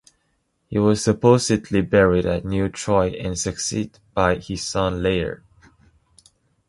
He was supposedly buried at New Troy and succeeded by his son, Leir.